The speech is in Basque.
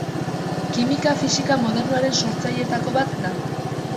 Kimika-fisika modernoaren sortzaileetako bat da.